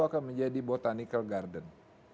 akan menjadi botanical garden